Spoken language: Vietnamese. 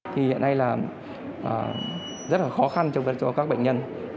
thì hiện nay là rất là khó khăn cho các bệnh nhân